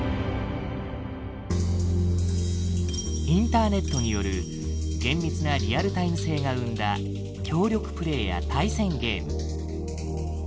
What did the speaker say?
インターネットによる厳密なリアルタイム性が生んだ協力プレイや対戦ゲーム。